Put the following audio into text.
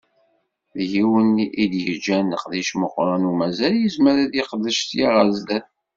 D yiwen i d-yeǧǧan leqdic meqqren u mazal yezmer ad yeqdec sya ar sdat.